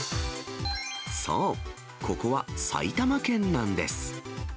そう、ここは埼玉県なんです。